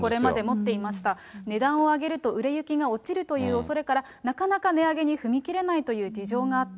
そうそう、値段を上げると売れ行きが落ちるというおそれから、なかなか値上げに踏み切れないという事情があった。